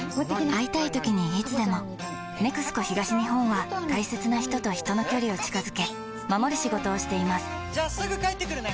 会いたいときにいつでも「ＮＥＸＣＯ東日本」は大切な人と人の距離を近づけ守る仕事をしていますじゃあすぐ帰ってくるね！